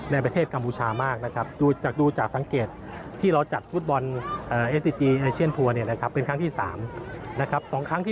ในประเทศกัมพูชามากนะครับ